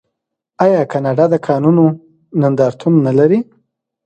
آیا کاناډا د کانونو نندارتون نلري؟